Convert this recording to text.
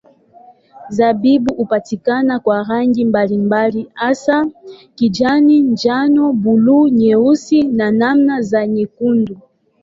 Zabibu hupatikana kwa rangi mbalimbali hasa kijani, njano, buluu, nyeusi na namna za nyekundu.